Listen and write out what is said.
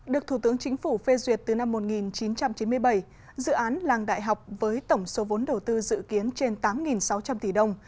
được thủ tướng chính phủ phê duyệt từ năm một nghìn chín trăm chín mươi bảy dự án làng đại học với tổng số vốn đầu tư dự kiến trên tám sáu trăm linh tỷ đồng